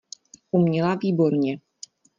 Uměla výborně.